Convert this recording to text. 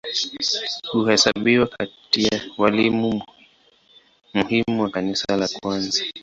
Huhesabiwa kati ya walimu muhimu wa Kanisa la kwanza.